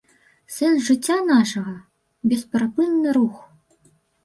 Сэнс жыцця нашага ‒ бесперапынны рух